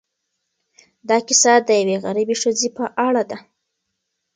دا کيسه د یوې غریبې ښځې په اړه ده.